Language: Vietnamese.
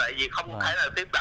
vậy vì không thể là tiếp cận được